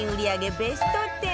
ベスト１０